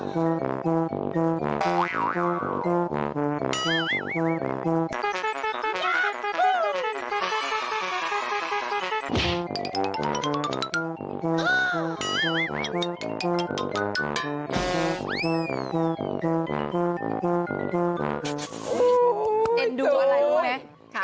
สุดสายเอ็นดูอะไรรู้มั้ย